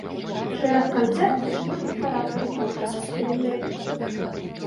Шэраг канцэртаў носяць характар творчага эксперыменту.